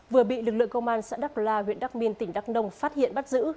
vừa bị lực lượng công an xã đắk rơ la huyện đắk minh tỉnh đắk nông phát hiện bắt giữ